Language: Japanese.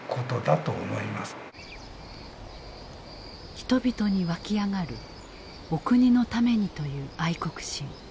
人々に湧き上がるお国のためにという愛国心。